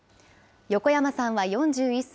横山さんは４１歳。